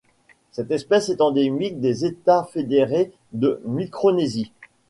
Cette espèce est endémique des États fédérés de Micronésie.